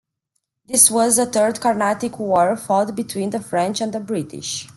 This was the Third Carnatic War fought between the French and the British.